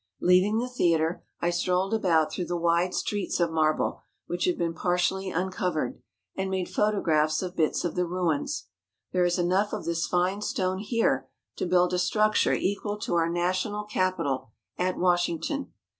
Leaving the theatre, I strolled about through the wide streets of marble, which have been partially uncovered, and made photographs of bits of the ruins. There is enough of this fine stone here to build a structure equal to our national Capitol at Washington.